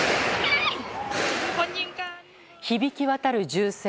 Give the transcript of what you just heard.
響き渡る銃声。